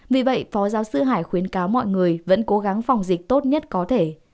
vì vậy phó giáo sư hải khuyến cáo mọi người vẫn cố gắng phòng dịch tốt nhất có thể